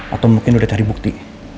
atau mungkin sudah cari bukti